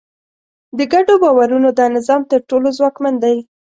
د ګډو باورونو دا نظام تر ټولو ځواکمن دی.